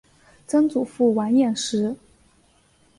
曾祖父王彦实。